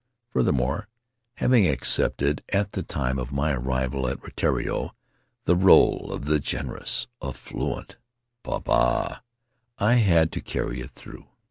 Further more, having accepted, at the time of my arrival at Rutiaro, the role of the generous, affluent popaa, I had to carry it through.